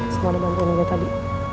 semua dibantuin aja tadi